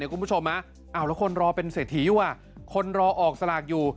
คุณผู้ชมแล้วคนรอเป็นเศรษฐีอยู่คนรอออกสลากอยู่